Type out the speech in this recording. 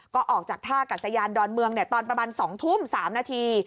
ก็ออกจากท่ากัศยานดอนเมืองตอนประมาณ๒ทุ่ม๓นาที